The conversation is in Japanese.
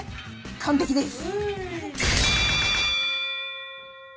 完璧です。